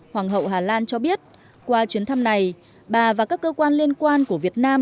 hoàng hậu hà lan cho biết qua chuyến thăm này bà và các cơ quan liên quan của việt nam